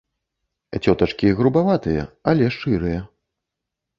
Цётачкі грубаватыя, але шчырыя.